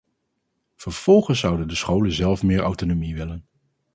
Vervolgens zouden de scholen zelf meer autonomie willen.